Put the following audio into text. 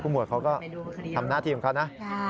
พู่หมวดเค้าก็ทำหน้าทีมเค้านะ